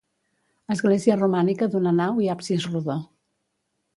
Església romànica d'una nau i absis rodó.